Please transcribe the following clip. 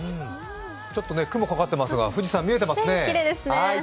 ちょっと雲がかかっていますが、富士山見えていますね。